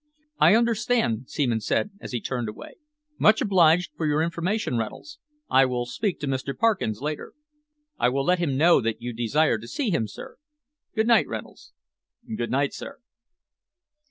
"I understand," Seaman said, as he turned away. "Much obliged for your information, Reynolds. I will speak to Mr. Parkins later." "I will let him know that you desire to see him, sir." "Good night, Reynolds!" "Good night, sir!"